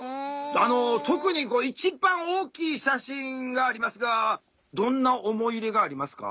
特に一番大きい写真がありますがどんな思い入れがありますか？